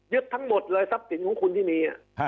ทั้งหมดเลยทรัพย์สินของคุณที่มี